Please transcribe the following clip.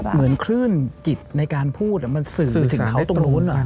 เหมือนคลื่นจิตในการพูดมันสื่อถึงเขาตรงนู้น